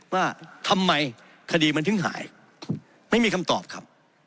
ว่าทำไมคดีมันถึงหายไม่มีคำตอบครับ